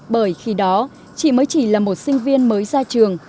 bởi khi đó chị mới chỉ là một sinh viên mới ra trường